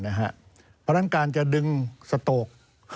เพราะฉะนั้นการจะดึงสโตก